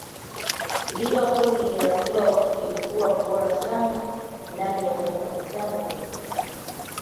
liverpool ya Kloop ilikuwa bora sana ndani ya miaka mitano iliyopita